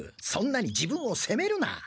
そんなに自分をせめるな。